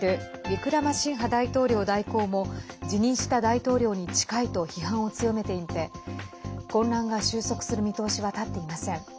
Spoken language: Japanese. ウィクラマシンハ大統領代行も辞任した大統領に近いと批判を強めていて混乱が収束する見通しは立っていません。